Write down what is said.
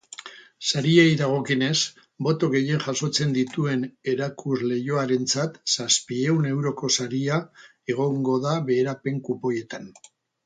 Sariei dagokienez, boto gehien jasotzen dituen erakusleihoarentzat zazpiehun euroko saria egongo da, beherapen-kupoietan